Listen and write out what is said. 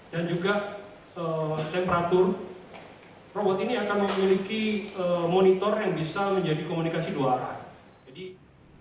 dan juga temperatur robot ini akan memiliki monitor yang bisa menjadi komunikasi dua arah